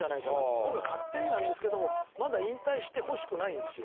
僕が勝手になんですけどもまだ引退してほしくないんですよ。